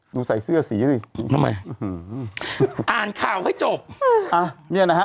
ใส่เสื้อสีดิทำไมอ่านข่าวให้จบอ่ะเนี่ยนะฮะ